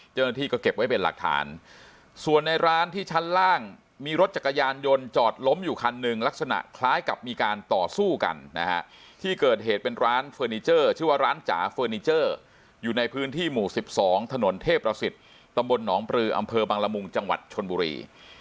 เจ้าหน้าที่ก็เก็บไว้เป็นหลักฐานส่วนในร้านที่ชั้นล่างมีรถจักรยานยนต์จอดล้มอยู่คันหนึ่งลักษณะคล้ายกับมีการต่อสู้กันนะฮะที่เกิดเหตุเป็นร้านเฟอร์นิเจอร์ชื่อว่าร้านจ๋าเฟอร์นิเจอร์อยู่ในพื้นที่หมู่๑๒ถนนเทพประสิทธิ์ตำบลหนองปลืออำเภอบังละมุงจังหวัดชนบุรี